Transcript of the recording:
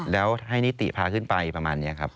แล้วให้นิติพาขึ้นไปประมาณนี้ครับ